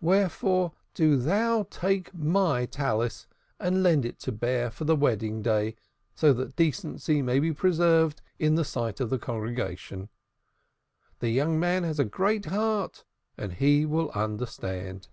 Wherefore, do thou take my praying shawl and lend it to Bear for the wedding day, so that decency may be preserved in the sight of the congregation. The young man has a great heart, and he will understand."